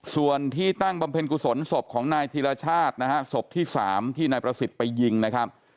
ส่วนที่ตั้งบำเพ็ญกุศลศพของนายธิรชาตินะฮะศพที่๓ที่นายประสิทธิ์ไปยิงนะครับ